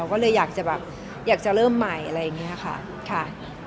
ก็เลยอยากจะแบบอยากจะเริ่มใหม่อะไรอย่างนี้ค่ะ